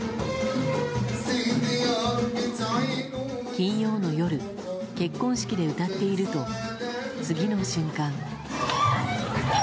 金曜の夜、結婚式で歌っていると次の瞬間。